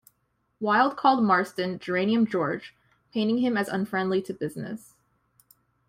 Wilde called Marston "Geranium George", painting him as unfriendly to business.